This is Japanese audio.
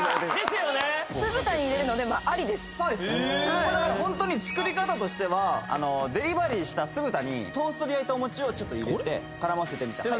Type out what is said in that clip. これだからホントに作り方としてはデリバリーした酢豚にトーストで焼いたお餅をちょっと入れて絡ませてみたこれ？